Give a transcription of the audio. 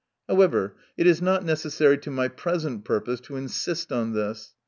However, it is not necessary to my present purpose, to insist on this.